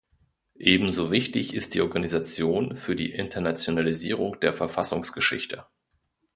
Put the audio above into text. Ebenso wichtig ist die Organisation für die Internationalisierung der Verfassungsgeschichte.